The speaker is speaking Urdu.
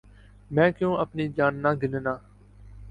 مَیں کیوں اپنی جاننا گننا